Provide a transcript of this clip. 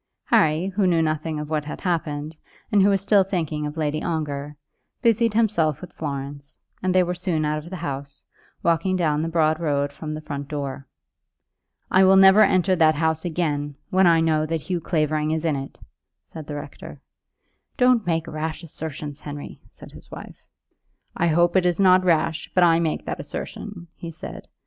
Harry, who knew nothing of what had happened, and who was still thinking of Lady Ongar, busied himself with Florence, and they were soon out of the house, walking down the broad road from the front door. "I will never enter that house again, when I know that Hugh Clavering is in it," said the rector. "Don't make rash assertions, Henry," said his wife. "I hope it is not rash, but I make that assertion," he said.